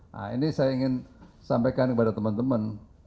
nah ini saya ingin sampaikan kepada teman teman